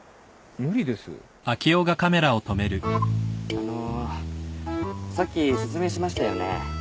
あのさっき説明しましたよね。